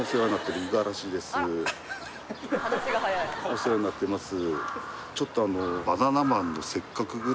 お世話になってます